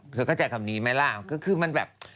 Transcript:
เข้าใจคำนี้ไหมล่ะก็คือมันแบบ